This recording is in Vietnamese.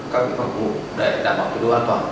các pháp cử vụ để đảm bảo tiêu đối an toàn